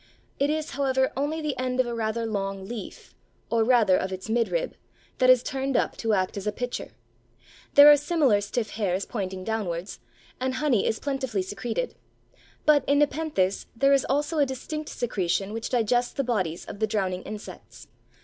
It is, however, only the end of a rather long leaf, or rather of its midrib, that is turned up to act as a pitcher. There are similar stiff hairs pointing downwards, and honey is plentifully secreted. But, in Nepenthes, there is also a distinct secretion which digests the bodies of the drowning insects.